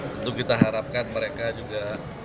tentu kita harapkan mereka juga